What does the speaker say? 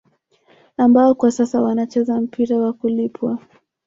Ambao kwa sasa wanacheza mpira wa kulipwa